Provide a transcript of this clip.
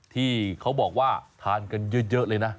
ที่เขาบอกว่าทานกันเยอะเลยนะ